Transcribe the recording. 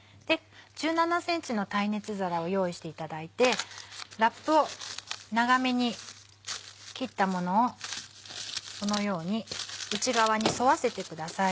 １７ｃｍの耐熱皿を用意していただいてラップを長めに切ったものをこのように内側に沿わせてください。